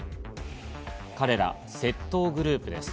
彼ら窃盗グループです。